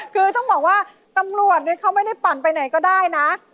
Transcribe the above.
คือต้องบอกว่าตำรวจเขาไม่ได้ปั่นไปไหนก็ได้นะ